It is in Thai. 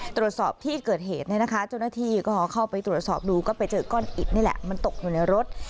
ตรวจสอบที่เกิดเหตุจุดนาทีเขาเข้าไปตรวจสอบดูก็ไปเจอก้อนอิดนี่แหละมันตกอยู่ในรถ